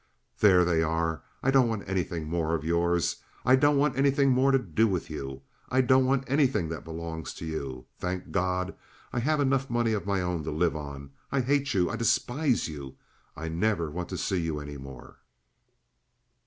There they are! I don't want anything more of yours. I don't want anything more to do with you. I don't want anything that belongs to you. Thank God, I have money enough of my own to live on! I hate you—I despise you—I never want to see you any more.